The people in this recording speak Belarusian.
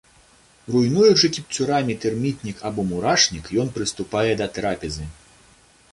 Руйнуючы кіпцюрамі тэрмітнік або мурашнік, ён прыступае да трапезы.